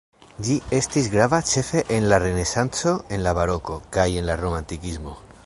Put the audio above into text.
Ĝi estis grava ĉefe en la renesanco en la baroko kaj en la romantikismo.